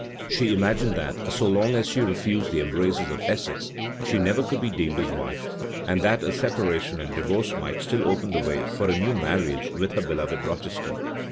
[] She imagined that, so long as she refused the embraces of Essex, she never could be deemed his wife; and that a separation and divorce might still open the way for a new marriage with her beloved Rochester.